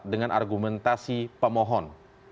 dengan argumentasi pemohon